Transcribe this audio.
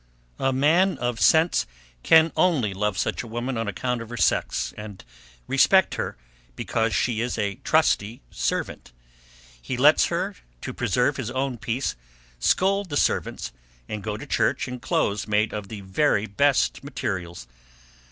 A man of sense can only love such a woman on account of her sex, and respect her, because she is a trusty servant. He lets her, to preserve his own peace, scold the servants, and go to church in clothes made of the very best materials.